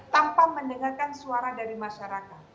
tanpa mendengarkan suara dari masyarakat